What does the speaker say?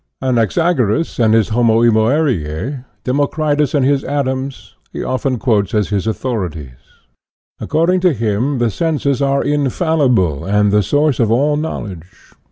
Anaxagoras and his homoi omeriae, Democritus and his atoms, he often quotes as his authorities. According to him the senses are infallible and the source of all knowl edge.